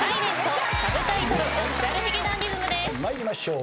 参りましょう。